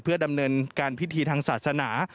ดำเนินการพิธีทางศาสนา